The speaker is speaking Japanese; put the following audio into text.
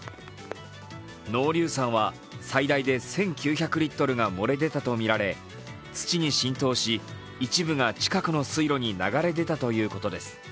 濃硫酸は最大で１９００リットルが漏れ出たとみられ土に浸透し、一部が近くの水路に流れ出たということです。